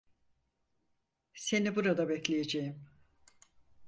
Seni burada bekleyeceğim.